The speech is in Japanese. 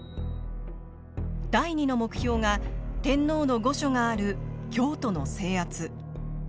第２の目標が天皇の御所がある京都の制圧。